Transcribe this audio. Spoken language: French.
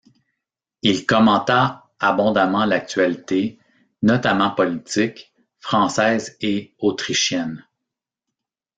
Il commenta abondamment l'actualité - notamment politique - française et autrichienne.